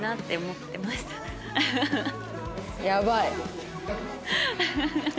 やばい。